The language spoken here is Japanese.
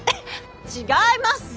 違いますよ！